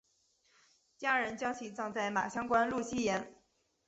家人将其葬在马乡官路西沿。